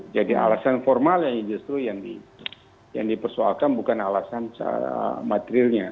jadi alasan formal yang justru yang dipersoalkan bukan alasan materialnya